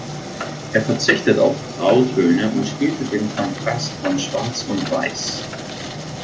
Er verzichtet auf Grautöne und spielt mit dem Kontrast von schwarz und weiß.